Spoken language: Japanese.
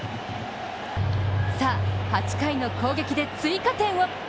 さあ、８回の攻撃で追加点を！